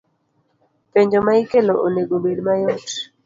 Penjo ma ikelo onego obed mayot